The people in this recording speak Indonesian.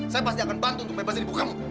saya pasti akan bantu untuk bebas ibu kamu